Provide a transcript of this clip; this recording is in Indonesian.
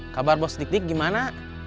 kabar bos dik dik gimana